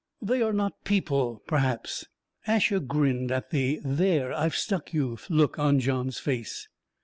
"They are not people, perhaps." Asher grinned at the "there, I've stuck you!" look on Johns' face.